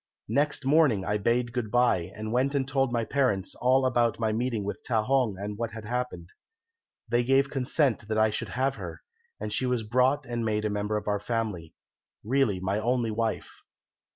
"Next morning I bade good bye, and went and told my parents all about my meeting with Ta hong and what had happened. They gave consent that I should have her, and she was brought and made a member of our family, really my only wife.